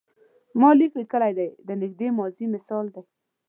ما لیک لیکلی دی د نږدې ماضي مثال دی.